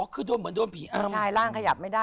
คือเหมือนโดนผีอ้ำ